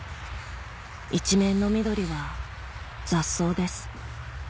一面の緑は雑草です